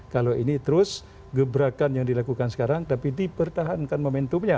kalau ini terus gebrakan yang dilakukan sekarang tapi dipertahankan momentumnya